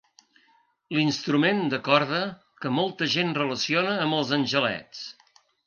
L'instrument de corda que molta gent relaciona amb els angelets.